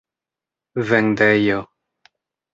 vendejo